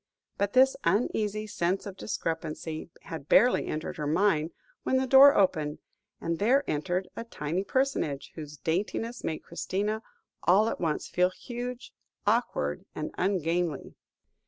But this uneasy sense of discrepancy had barely entered her mind, when the door opened, and there entered a tiny personage, whose daintiness made Christina all at once feel huge, awkward, and ungainly.